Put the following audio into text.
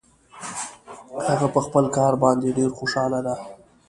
هغه په خپل کار باندې ډېر خوشحاله ده